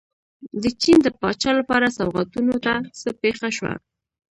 د چین د پاچا لپاره سوغاتونو ته څه پېښه شوه.